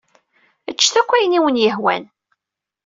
Ččet akk ayen i wen-yehwan.